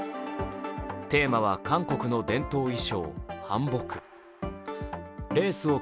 テーマは韓国の伝統衣装、韓服。